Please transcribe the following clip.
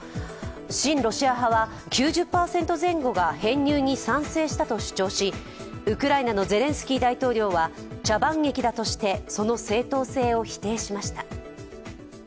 親ロシア派は９０％前後が編入に賛成したと主張し、ウクライナのゼレンスキー大統領は茶番劇だとしてその正当性を否定しました。